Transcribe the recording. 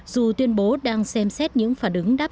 dù tuyên bố đang xem xét những phản ứng đáp